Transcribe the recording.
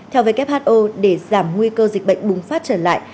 theo who để giảm nguy cơ dịch bệnh bùng phát trở lại